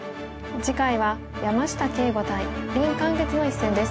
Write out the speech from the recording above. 次回は山下敬吾対林漢傑の一戦です。